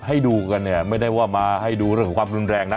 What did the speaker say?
ให้ดูกันเนี่ยไม่ได้ว่ามาให้ดูเรื่องของความรุนแรงนะ